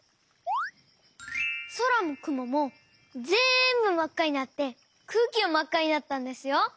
そらもくももぜんぶまっかになってくうきもまっかになったんですよ！